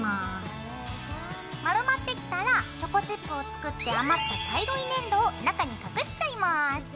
丸まってきたらチョコチップを作って余った茶色い粘土を中に隠しちゃいます。